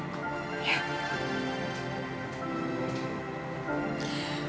kejadian kayak begini jangan terulang lagi ya sayang